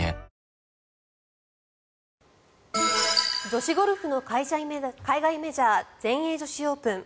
女子ゴルフの海外メジャー全英女子オープン。